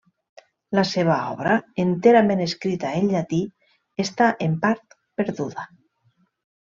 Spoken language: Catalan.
La seva obra, enterament escrita en llatí, està en part perduda.